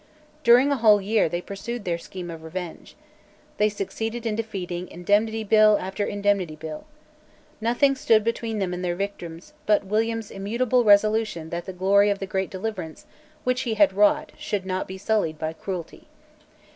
During a whole year they pursued their scheme of revenge. They succeeded in defeating Indemnity Bill after Indemnity Bill. Nothing stood between them and their victims, but William's immutable resolution that the glory of the great deliverance which he had wrought should not be sullied by cruelty.